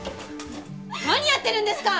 何やってるんですか！？